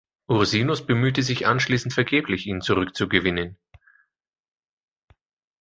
Ursinus bemühte sich anschließend vergeblich, ihn zurückzugewinnen.